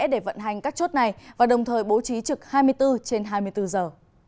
để vận hành các chốt này và đồng thời bố trí trực hai mươi bốn trên hai mươi bốn giờ